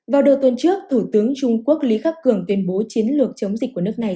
vào đầu tuần trước thủ tướng trung quốc lý khắc cường tuyên bố chiến lược chống dịch của nước này